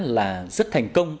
là rất thành công